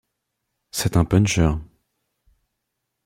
C'est un puncheur.